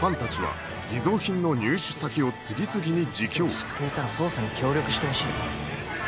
知っていたら捜査に協力してほしい。